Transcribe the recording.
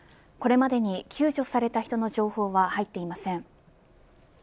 これまでに救助された人の情報は入っていません。